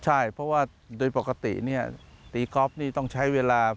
ใช่เพราะว่าโดยปกติตีกอล์ฟนี่ต้องใช้เวลา